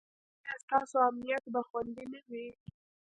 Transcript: ایا ستاسو امنیت به خوندي نه وي؟